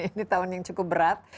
ini tahun yang cukup berat